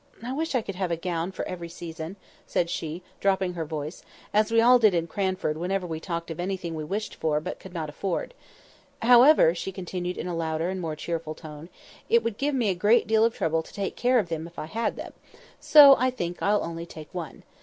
I wish I could have a gown for every season," said she, dropping her voice—as we all did in Cranford whenever we talked of anything we wished for but could not afford. "However," she continued in a louder and more cheerful tone, "it would give me a great deal of trouble to take care of them if I had them; so, I think, I'll only take one.